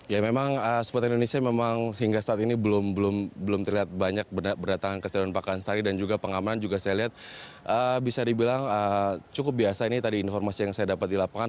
ya memang supporter indonesia memang sehingga saat ini belum terlihat banyak berdatangan ke stadion pakansari dan juga pengamanan juga saya lihat bisa dibilang cukup biasa ini tadi informasi yang saya dapat di lapangan